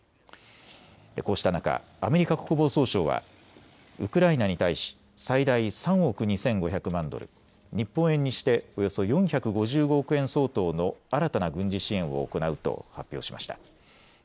こうした中、アメリカ国防総省はウクライナに対し最大３億２５００万ドル、日本円にしておよそ４５５億円相当の新たな軍事支援を行うと発表しました。